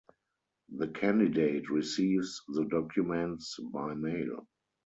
The candidate receives the documents by mail.